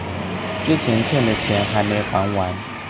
之前欠的錢還沒還完